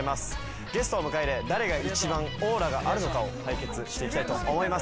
ゲストを迎え入れ誰が一番オーラがあるのかを対決していきたいと思います。